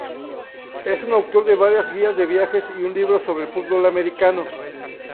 Es autor de varias guías de viajes y de un libro sobre fútbol americano.